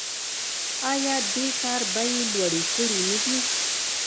آیا دې کار بیې لوړې کړې نه دي؟